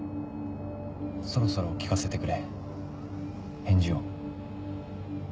そろそろ聞かせてくれ返事を。